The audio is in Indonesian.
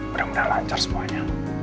mudah mudahan lancar semuanya